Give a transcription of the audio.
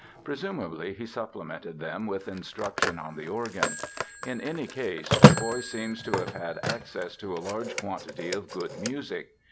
Presumably he supplemented them with instruction on the organ. In any case the boy seems to have had access to a large quantity of good music.